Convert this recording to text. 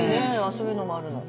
そういうのもあるの。